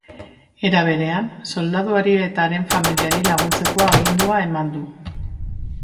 Era berean, soldaduari eta haren familiari laguntzeko agindua eman du.